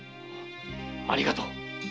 ありがとう。